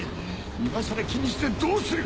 今更気にしてどうする？